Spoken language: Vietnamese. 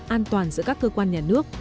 an toàn giữa các cơ quan nhà nước